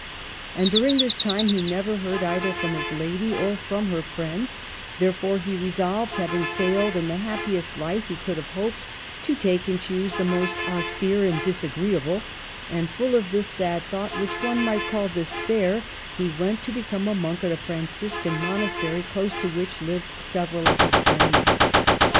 And during this time he never heard either from his lady or from her friends ; therefore he resolved, having failed in the happiest life he could have hoped, to take and choose the most austere and disagreeable j and full of this sad thought, which one might call despair, he went to be come a monk at a Franciscan monastery, close to which lived several of his friends.